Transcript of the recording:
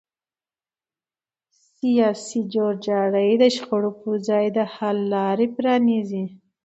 سیاسي جوړجاړی د شخړو پر ځای د حل لاره پرانیزي